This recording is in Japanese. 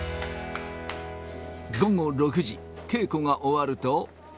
午後６時、稽古が終わると。